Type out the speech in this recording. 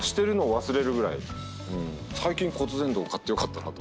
最近骨伝導買ってよかったなと思った。